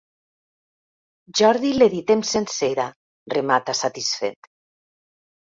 Jordi l'editem sencera —remata satisfet—.